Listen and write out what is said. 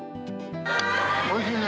おいしいね。